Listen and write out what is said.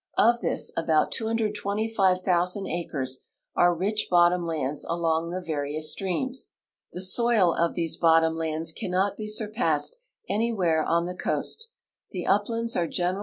Of this about 225,000 acres are rich bottom lands along the various streams. The soil of these bottom lands cannot be surpassed an^Mvliere on the coast. The uplands are general!